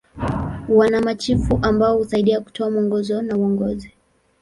Wana machifu ambao husaidia kutoa mwongozo na uongozi.